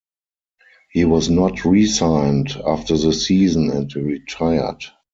He was not re-signed after the season and retired.